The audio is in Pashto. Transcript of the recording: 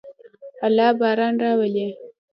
الله باران راولي.